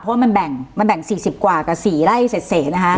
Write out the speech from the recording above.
เพราะว่ามันแบ่งมันแบ่งสี่สิบกว่ากับสี่ไร่เสกเสกนะคะ